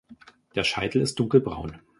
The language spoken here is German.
Der Scheitel ist dunkelbraun.